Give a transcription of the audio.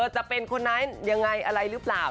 จะเป็นใครแล้ว